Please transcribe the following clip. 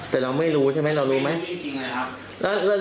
แต่เราไม่รู้ใช่ไหมเรารู้ไหมไม่รู้จริงเลยครับ